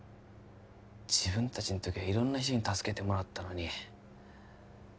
自分達の時は色んな人に助けてもらったのに